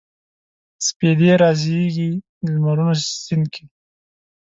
سپیدې رازیږي د لمرونو سیند کې